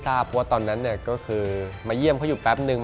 เพราะว่าตอนนั้นก็คือมาเยี่ยมเขาอยู่แป๊บนึง